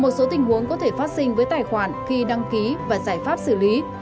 một số tình huống có thể phát sinh với tài khoản khi đăng ký và giải pháp xử lý